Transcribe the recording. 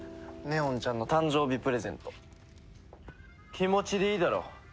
気持ちでいいだろ。